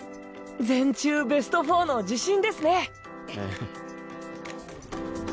全中ベスト４の自信ですね。